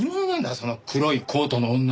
その黒いコートの女。